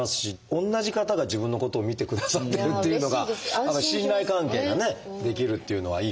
同じ方が自分のことを診てくださってるっていうのが信頼関係がね出来るっていうのはいいかなと思いますね。